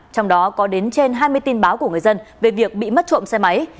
trong đó có đến trên hai mươi tin báo của người dân về việc bị mất trộm xe máy